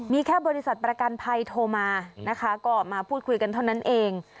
มีแค่บริษัทประกันภัยโทรมานะคะก็มาพูดคุยกันเท่านั้นเอง